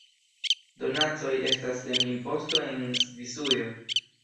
Donacoj estas sen imposto en Svisujo.